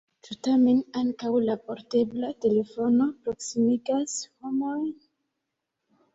Ĉu tamen ankaŭ la portebla telefono proksimigas homojn?